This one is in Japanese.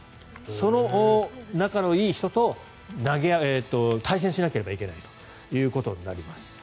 その仲のいい人と対戦しなければいけないということになります。